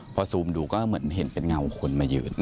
พอซูมดูก็เหมือนเห็นเป็นเงาคนมายืน